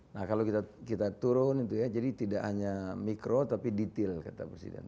nah kalau kita turun itu ya jadi tidak hanya mikro tapi detail kata presiden